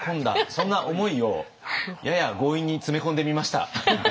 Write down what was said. そんな思いをやや強引に詰め込んでみました。